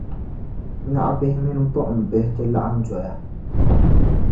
naɣibihi mini gbuɣimbihi ti laɣim doya.